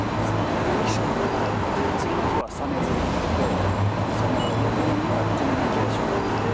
で次の日はサメ釣りに行って６人のコミュニケーションを見て。